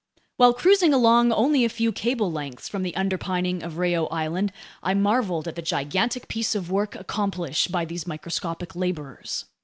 While cruising along only a few cable lengths from the underpinning of Reao Island, I marveled at the gigantic piece of work accomplished by these microscopic laborers.